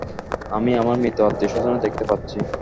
আমি আমার মৃত আত্মীয়স্বজনদের দেখতে পাচ্ছি।